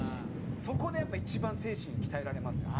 そこでやっぱ一番精神鍛えられますよね。